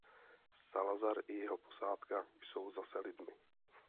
Salazar i jeho posádka jsou zase lidmi.